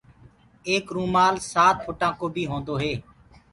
ايڪ رومآل سآت ڦُٽآ ڪو بيٚ هونٚدو هي